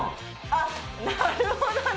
あっ、なるほどね。